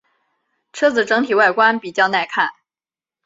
车子整体外观比较耐看。